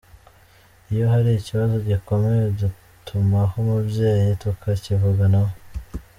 Iyo hari ikibazo gikomeye dutumaho umubyeyi tukakivuganaho.